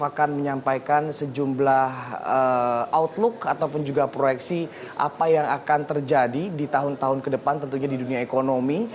akan menyampaikan sejumlah outlook ataupun juga proyeksi apa yang akan terjadi di tahun tahun ke depan tentunya di dunia ekonomi